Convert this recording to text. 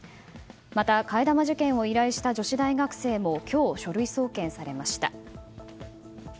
また、替え玉受験を依頼した女子大学生も今日、書類送検されました。